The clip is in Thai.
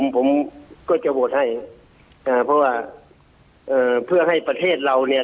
ผมก็จะโหวนให้เพื่อให้ประเทศเราเนี่ย